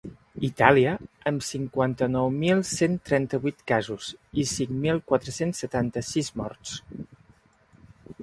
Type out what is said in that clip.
Itàlia, amb cinquanta-nou mil cent trenta-vuit casos i cinc mil quatre-cents setanta-sis morts.